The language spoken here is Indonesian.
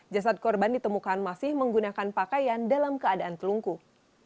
jasad korban ditemukan masih menggunakan pakaian dalam keadaan telungkuh